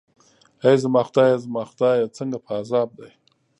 ای زما خدایه، زما خدای، څنګه په عذاب دی.